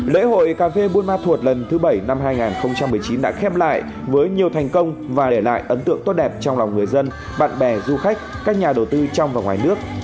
lễ hội cà phê buôn ma thuột lần thứ bảy năm hai nghìn một mươi chín đã khép lại với nhiều thành công và để lại ấn tượng tốt đẹp trong lòng người dân bạn bè du khách các nhà đầu tư trong và ngoài nước